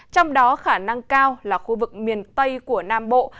trong đó khả năng cao là khu vực miền tây của nam bộ